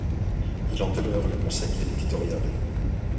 Il en demeure le conseiller éditorial.